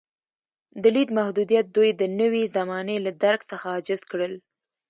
د لید محدودیت دوی د نوې زمانې له درک څخه عاجز کړل.